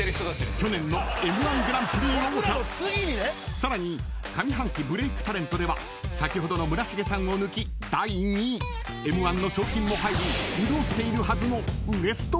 ［さらに上半期ブレイクタレントでは先ほどの村重さんを抜き第２位］［Ｍ−１の賞金も入り潤っているはずの］